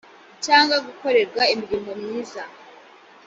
cyangwa gukorerwa imirimo myiza